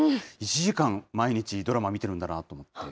１時間毎日ドラマ見てるんだなと思って。